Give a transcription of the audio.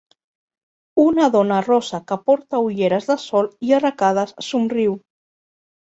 Una dona rossa que porta ulleres de sol i arracades somriu.